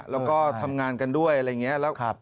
แล้วก็ทำงานกันด้วยอะไรอย่างนี้